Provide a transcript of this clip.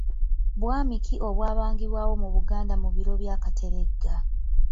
Bwami ki obwabangibwawo mu Buganda mu biro bya Kateregga?